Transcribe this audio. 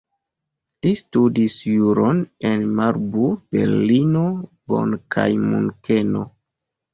Li studis juron en Marburg, Berlino, Bonn kaj Munkeno.